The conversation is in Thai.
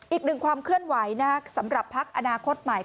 อีกหนึ่งความเคลื่อนไหวนะครับสำหรับพักอนาคตใหม่